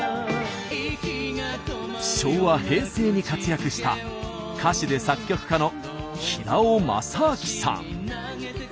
昭和平成に活躍した歌手で作曲家の平尾昌晃さん。